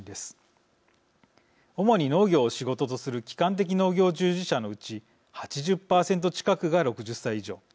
主に農業を仕事とする基幹的農業従事者のうち８０％近くが６０歳以上。